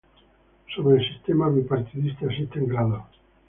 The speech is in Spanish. Sobre el sistema bipartidista existen grados.